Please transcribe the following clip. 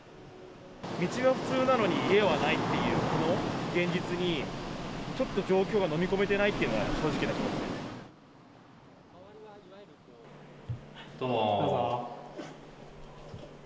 道は普通なのに、家はないっていうその現実に、ちょっと状況が飲み込めてないっていうのが正直な気持ちです。